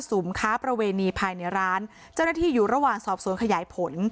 ค้าประเวณีภายในร้านเจ้าหน้าที่อยู่ระหว่างสอบสวนขยายผล